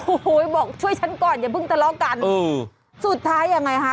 โอ้โหบอกช่วยฉันก่อนอย่าเพิ่งทะเลาะกันเออสุดท้ายยังไงคะ